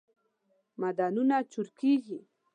معدنونه چورکیږی